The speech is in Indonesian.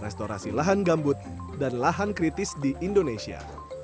restorasi lahan gambut dan lahan kritis di indonesia